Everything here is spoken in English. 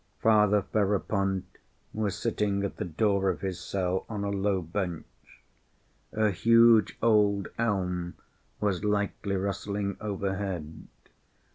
Father Ferapont was sitting at the door of his cell on a low bench. A huge old elm was lightly rustling overhead.